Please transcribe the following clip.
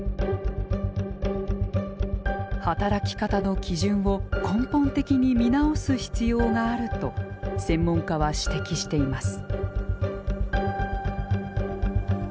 働き方の基準を根本的に見直す必要があると専門家は指摘しています。